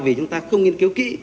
vì chúng ta không nghiên cứu kỹ